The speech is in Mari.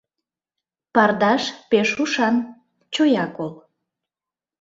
Пардаш пеш ушан, чоя кол...